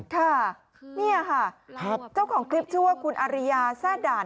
ค่ะนี่ค่ะเจ้าของคลิปชื่อว่าคุณอาริยาแซ่ด่าน